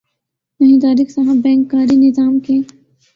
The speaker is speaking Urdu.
نہیں طارق صاحب بینک کاری نظام کے